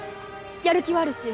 やる気はあるし